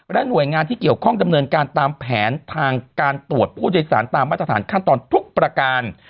หน่วยงานที่เกี่ยวข้องดำเนินการตามแผนทางการตรวจผู้โดยสารตามมาตรฐานขั้นตอนทุกประการ